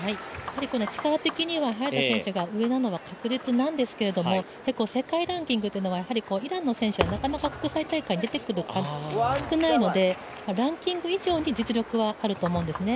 力的には早田選手が上なのは確実なんですが結構、世界ランキングというのはイランの選手はなかなか、国際大会に出てくる数、少ないのでランキング以上に実力はあると思うんですね。